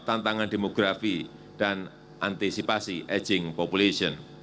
tantangan demografi dan antisipasi aging population